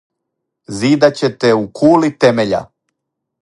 "Зидаће те кули у темеља!"